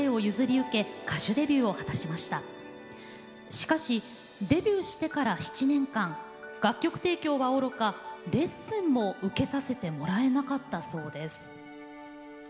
しかしデビューしてから７年間楽曲提供はおろかレッスンも受けさせてもらえなかったそうです。